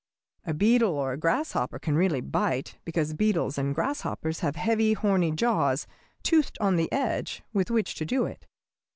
A beetle or a grasshopper can really bite, because beetles and grasshoppers have heavy, horny jaws, toothed on the edge, with which to do it.